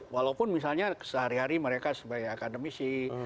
walaupun misalnya sehari hari mereka sebagai akademisi